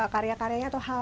karya karyanya atau hal